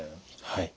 はい。